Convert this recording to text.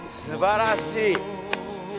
すばらしい！